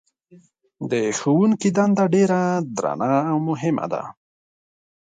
د ښوونکي دنده ډېره درنه او مهمه ده.